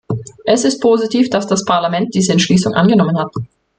Es ist positiv, dass das Parlament diese Entschließung angenommen hat.